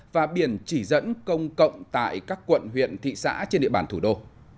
và biển chỉ dẫn công cộng tại các quận huyện thị xã trên địa bàn thủ đô